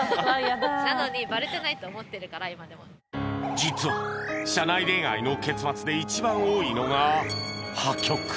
実は社内恋愛の結末で一番多いのが破局